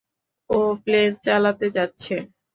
ও plane চালাতে যাচ্ছে।